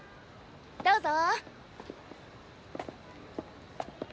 どうぞ。